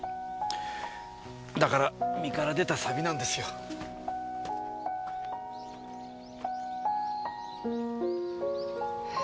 だから身から出た錆なんですよ。え？